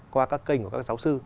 qua các kênh của các giáo sư